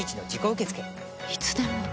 いつでも？